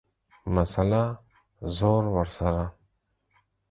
مسئله ، زور ورسره.